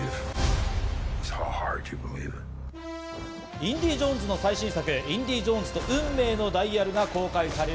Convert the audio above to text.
『インディ・ジョーンズ』の最新作、『インディ・ジョーンズと運命のダイヤル』が公開される